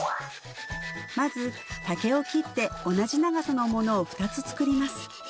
まず竹を切って同じ長さのものを２つ作ります